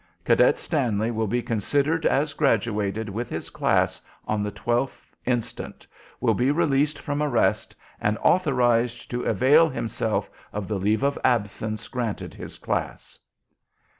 Cadet Stanley will be considered as graduated with his class on the 12th instant, will be released from arrest, and authorized to avail himself of the leave of absence granted his class."